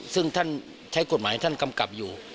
ซึ่งท่านใช้กฎหมายให้ท่านกำกับอยู่